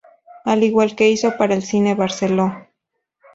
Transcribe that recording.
Al igual que hizo para el cine Barceló.